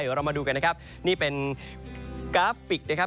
เดี๋ยวเรามาดูกันนะครับนี่เป็นกราฟิกนะครับ